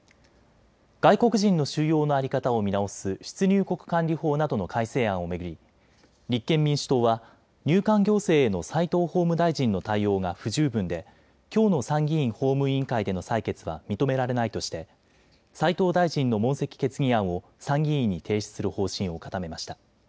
外国人の収容の在り方を見直す出入国管理法などの改正案を巡り立憲民主党は入管行政への齋藤法務大臣の対応が不十分できょうの参議院法務委員会での採決は認められないとして齋藤大臣の問責決議案を参議院に提出する方針を固めました。